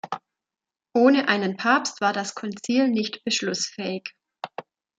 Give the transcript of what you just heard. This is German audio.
Ohne einen Papst war das Konzil nicht beschlussfähig.